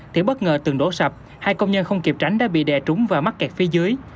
thiếu bất ngờ tường đổ sạch hai công nhân không kịp tránh đã bị đè trúng và mắc kẹt phía dưới